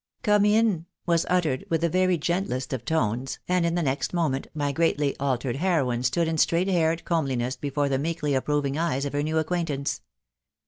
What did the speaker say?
" Come in," was uttered in the very gentlest of tones, and in the next moment my greatly altered heroine stood in straight haired comeliness before the meekly approving eyes of her new acquaintance.